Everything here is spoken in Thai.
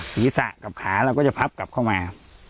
ศีรษะกับขาเราก็จะพับกลับเข้ามา